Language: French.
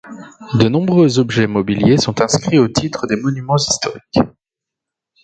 De nombreux objets mobiliers sont inscrits au titre des monuments historiques.